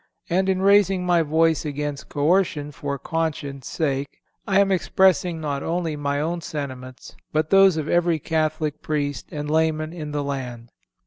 And in raising my voice against coercion for conscience' sake I am expressing not only my own sentiments, but those of every Catholic Priest and layman in the land.